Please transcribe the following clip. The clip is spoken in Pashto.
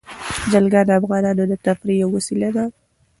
جلګه د افغانانو د تفریح یوه وسیله ده.